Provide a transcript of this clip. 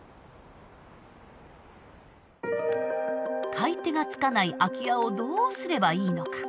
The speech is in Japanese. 買い手がつかない空き家をどうすればいいのか。